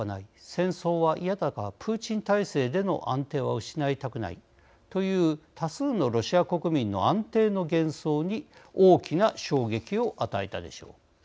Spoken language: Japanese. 戦争は嫌だがプーチン体制での安定は失いたくないという多数のロシア国民の安定の幻想に大きな衝撃を与えたでしょう。